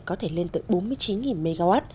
có thể lên tới bốn mươi chín mw